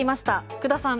福田さん